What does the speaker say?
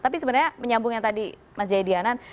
tapi sebenarnya menyambung yang tadi mas jaya dianan